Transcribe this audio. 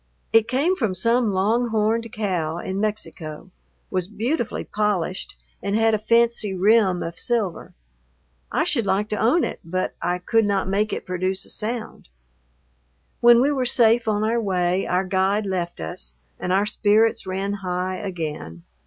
It came from some long horned cow in Mexico, was beautifully polished, and had a fancy rim of silver. I should like to own it, but I could not make it produce a sound. When we were safe on our way our guide left us, and our spirits ran high again.